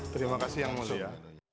terima kasih yang mulia